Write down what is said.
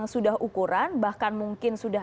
sudah ukuran bahkan mungkin sudah